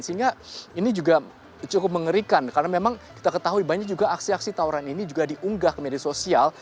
sehingga ini juga cukup mengerikan karena memang kita ketahui banyak juga aksi aksi tawuran ini juga diunggah ke media sosial